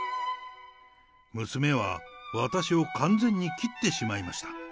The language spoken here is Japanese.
娘は、私を完全に切ってしまいました。